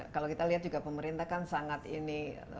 kalau kita lihat juga pemerintah kan sangat ini